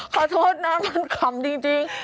ขอโทษนะมันขำจริง